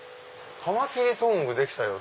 「カマキリトングできたよ」